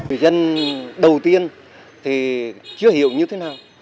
vì dân đầu tiên thì chưa hiểu như thế nào